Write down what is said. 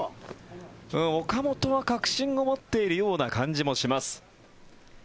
岡本は確信を持っているような感じもします。